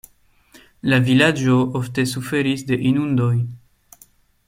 La vilaĝo ofte suferis de inundoj.